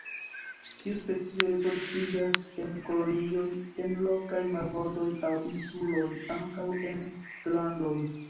Tiu specio reproduktiĝas en kolonioj en rokaj marbordoj aŭ insuloj, ankaŭ en strandoj.